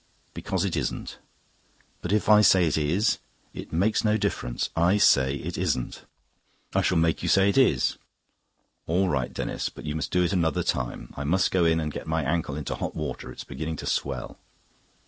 "Because it isn't." "But if I say it is?" "It makes no difference. I say it isn't." "I shall make you say it is." "All right, Denis. But you must do it another time. I must go in and get my ankle into hot water. It's beginning to swell."